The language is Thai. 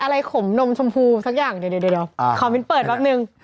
อะไรขมนมชมพูสักอย่างเดี๋ยวก่อนวินเปิดแปบนึง